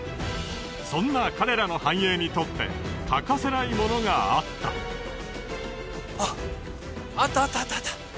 そんな彼らの繁栄にとって欠かせないものがあったあったあったあったあった